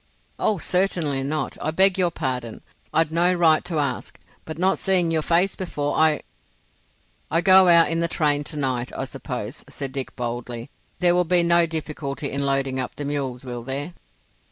"Oh, certainly not. I beg your pardon. I'd no right to ask, but not seeing your face before I——" "I go out in the train to night, I suppose," said Dick, boldly. "There will be no difficulty in loading up the mules, will there?"